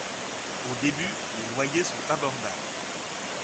Au début, les loyers sont abordables.